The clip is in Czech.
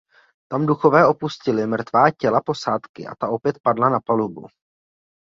Tam duchové opustili mrtvá těla posádky a ta opět padla na palubu.